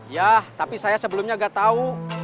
ya tapi saya sebelumnya gak tahu